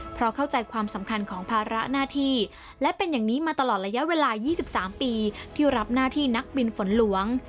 เพราะเข้าใจความสำคัญของภาระหน้าที่และเป็นอย่างนี้มาตลอดระยะเวลา๒๓ปีที่รับหน้าที่นักบินฝนหลวง